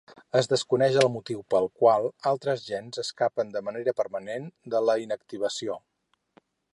Es desconeix el motiu pel qual altres gens escapen de manera permanent de la inactivació.